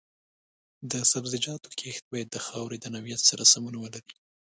د سبزیجاتو کښت باید د خاورې د نوعیت سره سمون ولري.